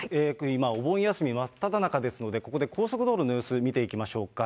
今、お盆休み真っただ中ですので、ここで高速道路の様子、見ていきましょうか。